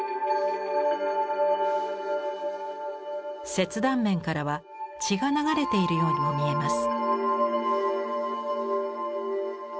切断面からは血が流れているようにも見えます。